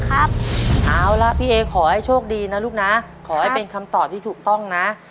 เอาละพี่เอขอให้โชคดีนะลูกนะขอให้เป็นคำตอบที่ถูกต้องนะ